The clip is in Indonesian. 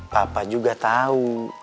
papa juga tau